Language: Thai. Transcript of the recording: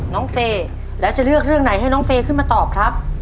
เฟย์แล้วจะเลือกเรื่องไหนให้น้องเฟย์ขึ้นมาตอบครับ